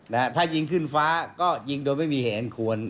นะฮะถ้ายิงขึ้นฟ้าก็ยิงโดยไม่มีเหตุอันควร